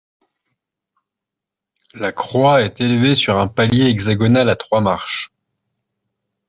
La croix est élevée sur un palier hexagonal à trois marches.